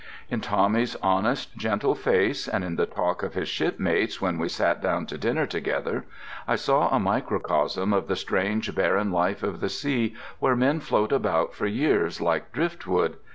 In Tommy's honest, gentle face, and in the talk of his shipmates when we sat down to dinner together, I saw a microcosm of the strange barren life of the sea where men float about for years like driftwood.